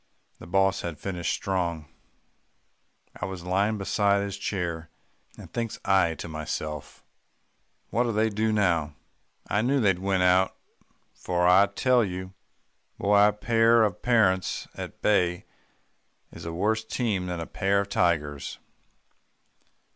The boss had finished strong, I was lying beside his chair, and thinks I to myself, 'What'll they do now?' I knew they'd win out, for I tell you, Boy, a pair of parents at bay is a worse team than a pair of tigers."